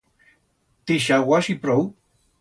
T'ixauguas y prou.